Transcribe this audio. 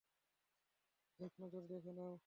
এক নজর দেখে নাও।